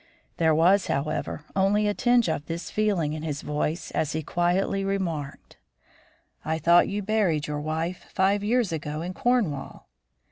There was, however, only a tinge of this feeling in his voice as he quietly remarked: "I thought you buried your wife five years ago in Cornwall."